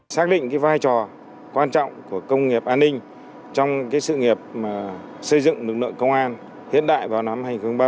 xác định vai trò quan trọng của công nghiệp an ninh trong sự nghiệp xây dựng lực lượng công an hiện đại vào năm hai nghìn ba mươi